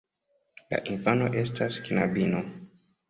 La infano estas knabino.